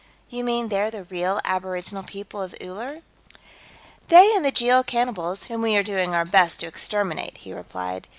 "You mean, they're the real aboriginal people of Uller?" "They and the Jeel cannibals, whom we are doing our best to exterminate," he replied.